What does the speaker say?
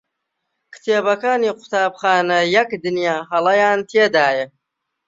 کتێبەکانی قوتابخانە یەک دنیا هەڵەیان تێدایە.